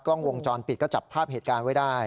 กล้องวงจรปิดก็จับภาพเหตุการณ์ไว้ได้